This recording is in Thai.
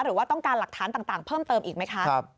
หรือว่าต้องการหลักฐานต่างเพิ่มเติมอีกไหมคะ